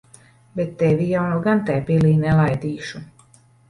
Bet tevi jau nu gan tai pilī nelaidīšu.